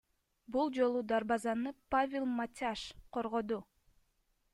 Бул жолу дарбазаны Павел Матяш коргоду.